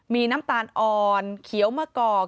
มีน้ำตาลอ่อนเขียวมะกอก